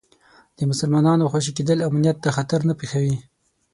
د مسلمانانو خوشي کېدل امنیت ته خطر نه پېښوي.